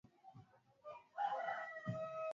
Mfumo wa upumuaji wa ngombe hushambuliwa na magonjwa